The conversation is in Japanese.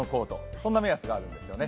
そんな目安があるんですよね。